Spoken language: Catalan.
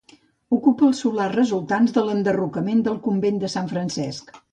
Ocupa els solars resultants de l'enderrocament del convent de Sant Francesc.